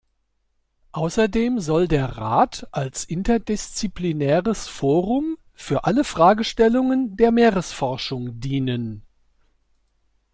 Außerdem soll der Rat als interdisziplinäres Forum für alle Fragestellungen der Meeresforschung dienen.